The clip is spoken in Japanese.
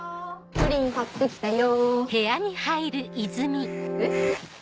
・プリン買って来たよ。えっ？